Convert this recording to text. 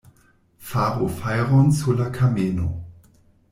Faru fajron sur la kameno!